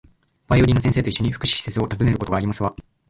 バイオリンの先生と一緒に、福祉施設を訪ねることがありますわ